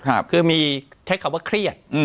ครับคือมีใช้คำว่าเครียดอืม